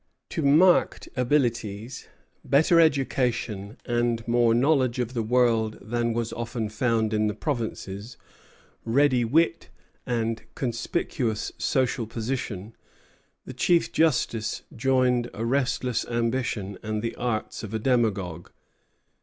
To marked abilities, better education, and more knowledge of the world than was often found in the provinces, ready wit, and conspicuous social position, the Chief Justice joined a restless ambition and the arts of a demagogue.